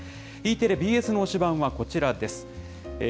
Ｅテレ、ＢＳの推しバンはこちらです。